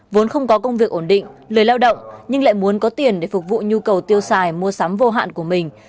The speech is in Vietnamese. vốn không có công việc ổn định lười lao động nhưng lại muốn có tiền để phục vụ nhu cầu tiêu xài mua sắm vô hạn của mình